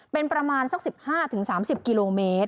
เป็นประมาณสัก๑๕๓๐กิโลเมตร